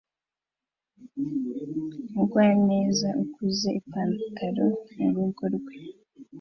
Umugwaneza ukuze ipantaro murugo rwe